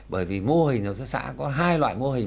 bởi vì mô hình hợp tác xã có hai loại mô hình